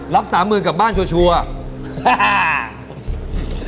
สามหมื่นกลับบ้านชัวร์